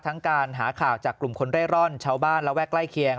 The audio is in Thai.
ทั้งการหาข่าวจากกลุ่มคนเร่ร่อนเช้าบ้านแล้วแวกใกล้เคียง